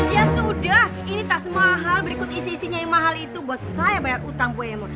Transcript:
ya sudah ini tas mahal berikut isi isinya yang mahal itu buat saya bayar utang bu emo